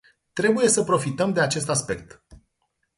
Trebuie să profităm de acest aspect.